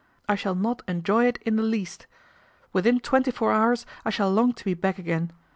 " I shall not enjoy it in the least. Within twenty four hours I shall long to be back again.